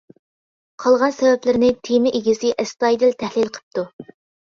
قالغان سەۋەبلىرىنى تېما ئىگىسى ئەستايىدىل تەھلىل قىپتۇ.